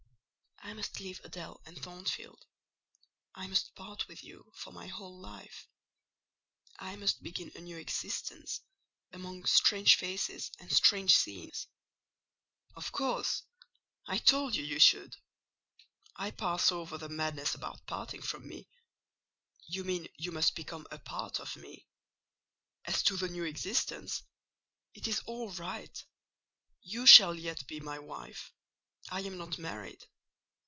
"I must leave Adèle and Thornfield. I must part with you for my whole life: I must begin a new existence among strange faces and strange scenes." "Of course: I told you you should. I pass over the madness about parting from me. You mean you must become a part of me. As to the new existence, it is all right: you shall yet be my wife: I am not married.